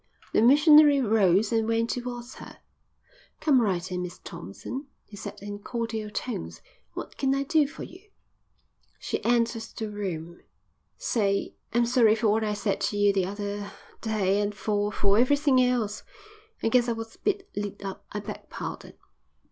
The missionary rose and went towards her. "Come right in, Miss Thompson," he said in cordial tones. "What can I do for you?" She entered the room. "Say, I'm sorry for what I said to you the other day an' for for everythin' else. I guess I was a bit lit up. I beg pardon."